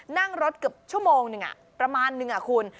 นั่งรถกับชั่วโมงหนึ่งอ่ะประมาณหนึ่งอ่ะคุณ